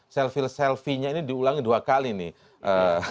selfie selfie nya ini diulangi dua kali nih